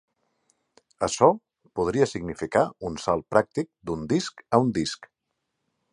Açò podria significar un salt pràctic d'un disc a un disc.